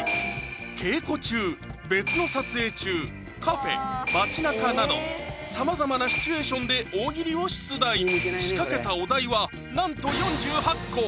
稽古中別の撮影中カフェ街なかなどさまざまなシチュエーションで大喜利を出題仕掛けたお題はなんと４８個！